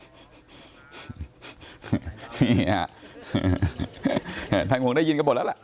นี่ฮะท่านคงได้ยินกันหมดแล้วล่ะ